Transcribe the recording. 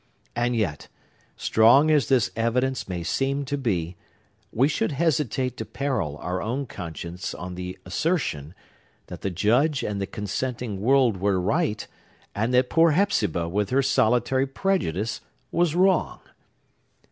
And yet, strong as this evidence may seem to be, we should hesitate to peril our own conscience on the assertion, that the Judge and the consenting world were right, and that poor Hepzibah with her solitary prejudice was wrong.